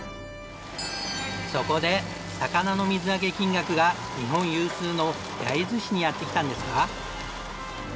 そこで魚の水揚げ金額が日本有数の焼津市にやって来たんですが。